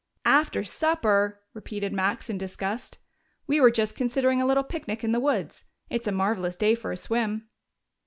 "After supper!" repeated Max in disgust. "We were just considering a little picnic in the woods. It's a marvelous day for a swim."